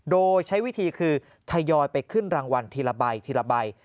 โดยใช้วิธีคือทยอยไปขึ้นรางวัลทีละใบทีละใบ